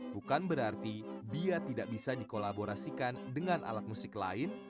bukan berarti bia tidak bisa dikolaborasikan dengan alat musik lain